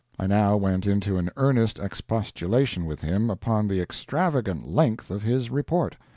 I now went into an earnest expostulation with him upon the extravagant length of his report.